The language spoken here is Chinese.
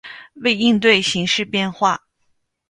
为应对形势变化